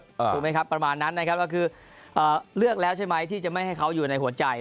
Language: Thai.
ถูกไหมครับประมาณนั้นนะครับก็คือเลือกแล้วใช่ไหมที่จะไม่ให้เขาอยู่ในหัวใจ